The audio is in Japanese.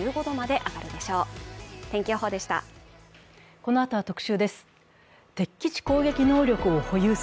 このあとは特集です。